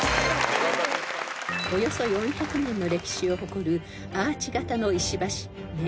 ［およそ４００年の歴史を誇るアーチ型の石橋］